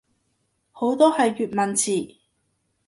好多係粵文詞